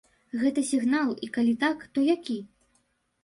Гэта сігнал і калі так, то які?